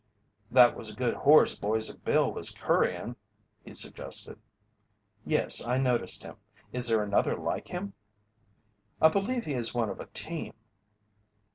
"That was a good horse Boise Bill was currying," he suggested. "Yes, I noticed him. Is there another like him?" "I believe he is one of a team."